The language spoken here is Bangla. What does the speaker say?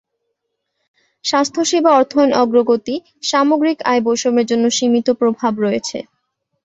স্বাস্থ্যসেবা অর্থায়ন অগ্রগতি সামগ্রিক আয় বৈষম্যের জন্য সীমিত প্রভাব রয়েছে।